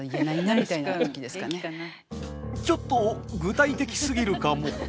ちょっと具体的すぎるかも。